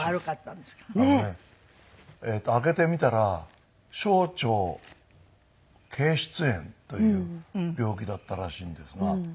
あのねえっと開けてみたら小腸憩室炎という病気だったらしいんですが。